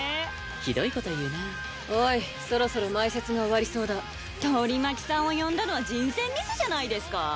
ひどいこと言うなぁおいそろそろ前説が終わりそうだ取り巻きさんを呼んだのは人選ミスじゃないですかぁ？